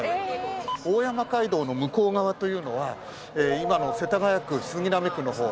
大山街道の向こう側というのは今の世田谷区杉並区の方。